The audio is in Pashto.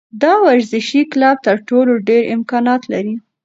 دا ورزشي کلب تر ټولو ډېر امکانات لري.